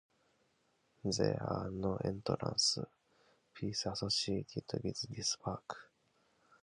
There are no entrance fees associated with this park.